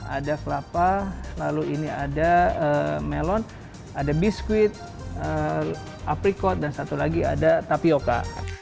ada kelapa lalu ini ada melon ada biskuit aprikot dan satu lagi ada tapioca